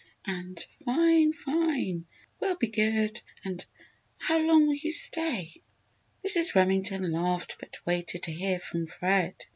and "Fine! fine!" "We'll be good!" and "How long will you stay?" Mrs. Remington laughed but waited to hear from Fred.